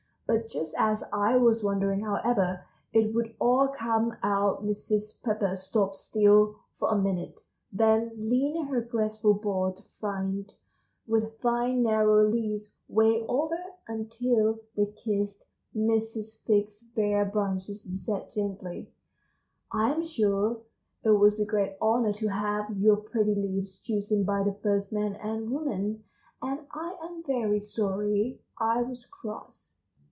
But just as I was wondering however it would all come out Mrs. Pepper stopped still for a minute, then leaned her graceful boughs fringed with fine narrow leaves way over until they kissed Mrs. Fig's bare branches, and said gently: "I am sure it was a great honor to have your pretty leaves chosen by the first man and woman, and I am very sorry I was cross."